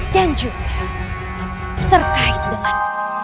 dan juga terkait dengan